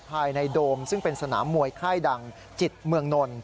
ภายในโดมซึ่งเป็นสนามมวยไข้ดังจิตเมืองนล